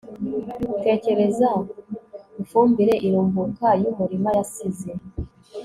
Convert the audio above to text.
Tekereza ifumbire irumbuka yumurima yasize